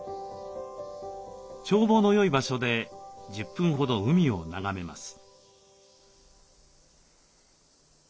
眺望の良い場所で１０分ほど海を眺めます。